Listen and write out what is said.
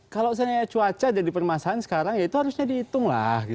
kalau seandainya cuaca jadi permasalahan sekarang ya itu harusnya dihitung lah